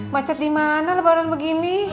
macet dimana lebaran begini